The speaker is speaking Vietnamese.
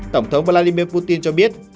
tổng thống vladimir putin cho biết